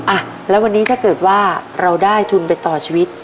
อ่ะแล้ววันนี้ถ้าเกิดว่าเราได้ทุนไปต่อชีวิต